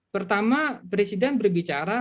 pertama presiden berbicara